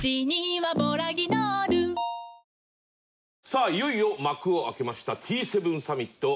さあいよいよ幕を開けましたＴ７サミット。